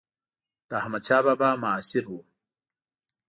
د احمدشاه بابا معاصر و.